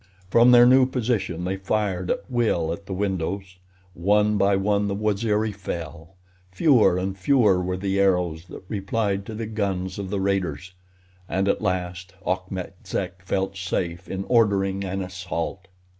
From their new position they fired at will at the windows. One by one the Waziri fell. Fewer and fewer were the arrows that replied to the guns of the raiders, and at last Achmet Zek felt safe in ordering an assault.